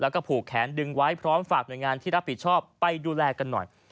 แล้วก็ผูกแขนดึงไว้พร้อมฝากหน่วยงานที่รับผิดชอบไปดูแลกันหน่อย